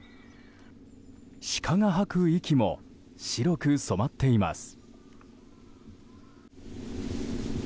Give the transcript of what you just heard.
シカが吐く息も白く染まっています。